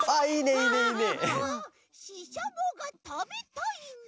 ししゃもがたべたいな！